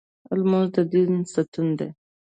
لمونځ د دین ستون دی